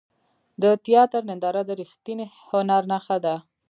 د تیاتر ننداره د ریښتیني هنر نښه ده.